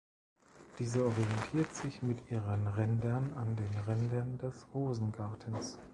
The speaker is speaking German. Diese orientiert sich mit ihren Rändern an den Rändern des Rosengartens.